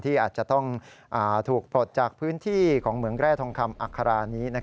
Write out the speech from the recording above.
อาจจะต้องถูกปลดจากพื้นที่ของเหมืองแร่ทองคำอัครานี้